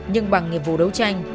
nhưng bằng nghiệp vụ đấu tranh